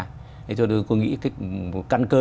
thế cho tôi nghĩ căn cơ